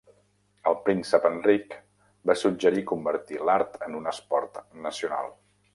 El príncep Enric va suggerir convertir l'art en un esport nacional.